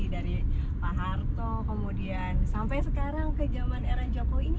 dari pak harto kemudian sampai sekarang ke zaman era jokowi ini